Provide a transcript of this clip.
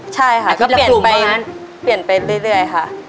ใช่ค่ะเราก็เปลี่ยนไปเรื่อยค่ะ